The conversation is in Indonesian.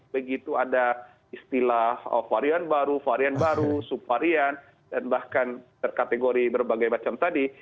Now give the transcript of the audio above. begitu ada istilah varian baru varian baru subvarian dan bahkan terkategori berbagai macam tadi